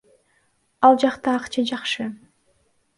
Ал жакта акча жакшы.